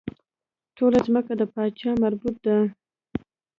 ټوله ځمکه د پاچا مربوط ده.